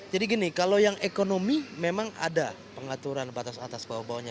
jadi gini kalau yang ekonomi memang ada pengaturan batas atas bawah bawahnya